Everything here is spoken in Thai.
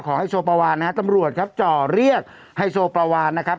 ของให้โประวัลนะตำรวจครับจ่อเรียกให้โปประวัลนะครับ